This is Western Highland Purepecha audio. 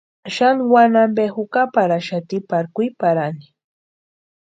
Xani wani ampe jukaparhaxati pari kwiparhani.